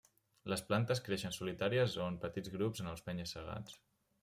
Les plantes creixen solitàries o en petits grups en els penya-segats.